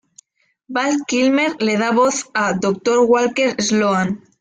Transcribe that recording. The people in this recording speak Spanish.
Val Kilmer le da voz a Dr. Walker Sloan.